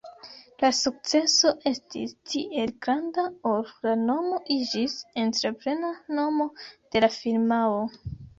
La sukceso estis tiel granda ol la nomo iĝis entreprena nomo de la firmao.